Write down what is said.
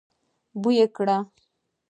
بوی يې کړی.